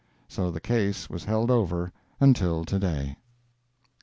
So the case was held over until to day.